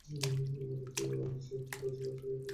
আমাদের চিফ কৈলাস থেকে একটা ভিডিও পাঠিয়েছে।